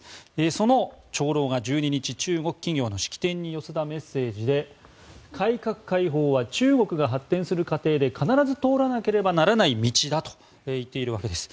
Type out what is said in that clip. その長老が１２日中国企業の式典に寄せたメッセージで改革開放は中国が発展する過程で必ず通らなければならない道だと言っているわけです。